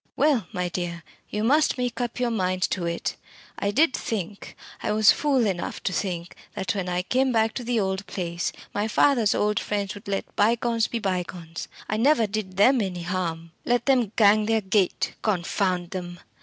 Well, my dear, you must make up your mind to it. I did think I was fool enough to think that when I came back to the old place, my father's old friends would let bygones be bygones. I never did them any harm. Let them 'gang their gait,' confound them!"